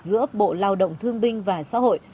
giữa bộ lao động thương binh và xã hội